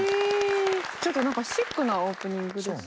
ちょっとなんかシックなオープニングですね。